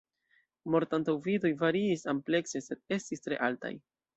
Mort-antaŭvidoj variis amplekse, sed estis tre altaj.